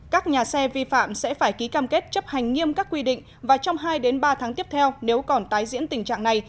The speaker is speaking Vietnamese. các nhà xe vi phạm sẽ phải ký cam kết chấp hành nghiêm các quy định và trong hai ba tháng tiếp theo nếu còn tái diễn tình trạng này